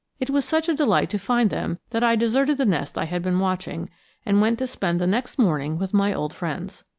It was such a delight to find them that I deserted the nest I had been watching, and went to spend the next morning with my old friends.